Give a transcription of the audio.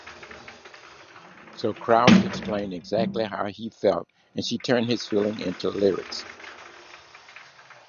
So Kruspe explained exactly how he felt and she turned his feelings into lyrics.